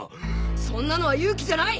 そんなのは勇気じゃない！